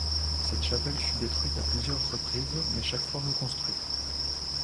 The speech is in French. Cette chapelle fut détruite à plusieurs reprises mais chaque fois reconstruite.